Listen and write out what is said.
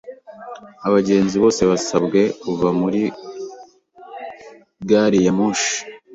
Abagenzi bose basabwe kuva muri gari ya moshi.